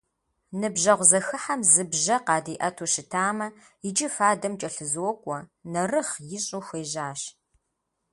Ныбжьэгъу зэхыхьэм зы бжьэ къадиӏэту щытамэ, иджы фадэм кӏэлъызокӏуэ, нэрыгъ ищӏу хуежьащ.